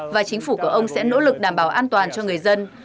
và chính phủ của ông sẽ nỗ lực đảm bảo an toàn cho người dân